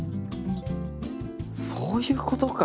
そういうことか！